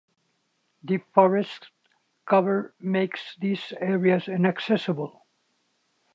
Deep forest cover makes these areas inaccessible.